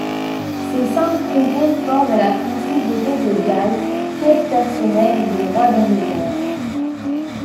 Ces cinq comtés forment la principauté de Galles, fief personnel du roi d'Angleterre.